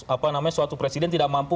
apa namanya suatu presiden tidak mampu